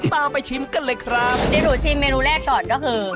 ตามไปชิมกันเลยครับเดี๋ยวหนูชิมเมนูแรกก่อนก็คือ